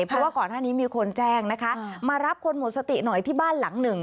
เพราะว่าก่อนหน้านี้มีคนแจ้งนะคะมารับคนหมดสติหน่อยที่บ้านหลังหนึ่ง